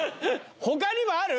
他にもある？